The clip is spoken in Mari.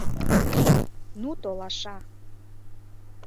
Ну толаша...